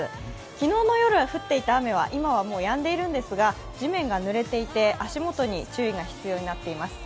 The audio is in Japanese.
昨日の夜降っていた雨は今はもうやんでいるんですが地面がぬれていて、足元に注意が必要になっています。